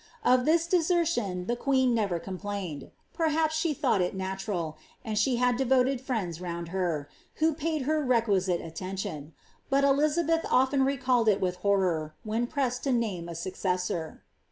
Of this desertion tlie queen never complained ; pe^ haps she thought it natural, and she had devoted friends round her, who paid her requisite attention ; but Elizabeth often recalled it with horror, when pressed to name a successor.